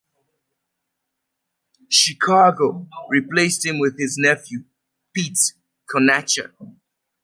Chicago replaced him with his nephew, Pete Conacher.